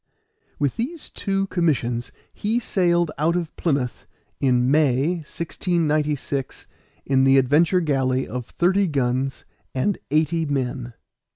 With these two commissions he sailed out of Plymouth in May, 1696, in the Adventure galley of thirty guns and eighty men.